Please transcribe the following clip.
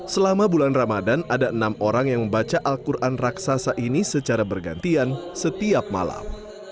selama bulan ramadan ada enam orang yang membaca al quran raksasa ini secara bergantian setiap malam